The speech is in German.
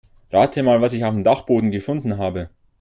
Rate mal, was ich auf dem Dachboden gefunden habe.